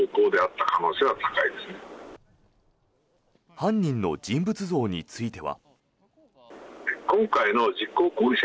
犯人の人物像については。